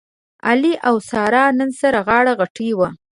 علي او ساره نن سره غاړه غټۍ و.